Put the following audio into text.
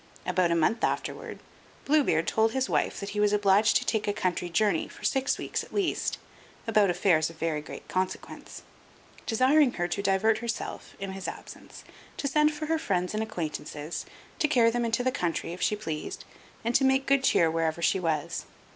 About a month afterward, Blue Beard told his wife that he was obliged to take a country journey for six weeks at least, about affairs of very great consequence, desiring her to divert herself in his absence, to send for her friends and acquaintances, to carry them into the country, if she pleased, and to make good cheer wherever she was.